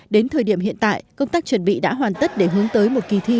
đến thời điểm hiện tại công tác chuẩn bị đã hoàn tất để hướng tới một kỳ thi